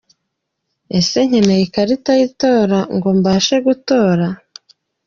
Ese nkeneye ikarita y’itora ngo mbashe gutora?.